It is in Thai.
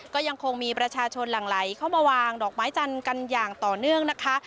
ก็ยังคงมีประชาชนหลั่งไหลเข้ามาวางดอกไม้จันทร์กันอย่างต่อเนื่องนะคะ